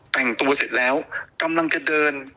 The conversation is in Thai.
แต่งตัวเสร็จแล้วกำลังจะเดิน